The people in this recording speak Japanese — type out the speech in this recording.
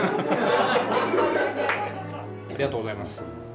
ありがとうございます。